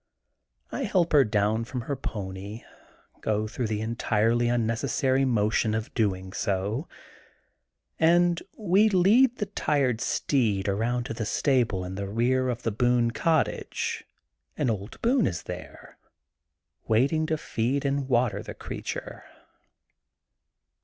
I help her down from her pony, go through the en tirely unnecessary motion of doing so, and we lead the tired steed around to the stable in the rear 6f the Boone cottage and old Boone is there, waiting to feed and water the creature.